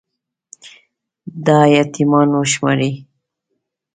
دا يـتـيـمـان وشمارئ